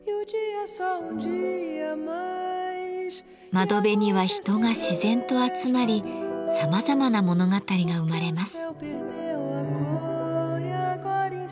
窓辺には人が自然と集まりさまざまな物語が生まれます。